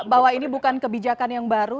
bahwa ini bukan kebijakan yang baru